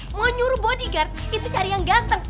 mau nyuruh bodyguard itu cari yang ganteng